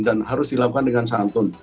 dan harus dilakukan dengan santun